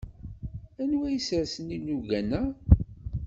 Anwa isersen ilugan-a?